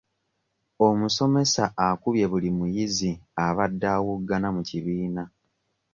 Omusomesa akubye buli muyizi abadde awoggana mu kibiina.